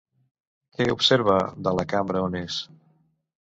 Què observa de la cambra on és?